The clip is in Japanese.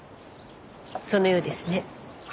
そのようですね。